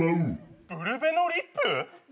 ブルベのリップ？